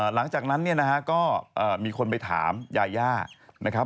หลังจากนั้นก็มีคนไปถามยายานะครับ